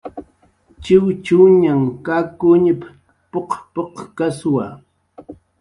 "Chiwchuñan kakuñp"" p""uq p""uqkkaswa"